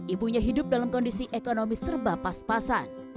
ibunya hidup dalam kondisi ekonomi serba pas pasan